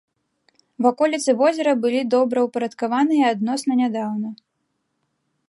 Ваколіцы возера былі добраўпарадкаваныя адносна нядаўна.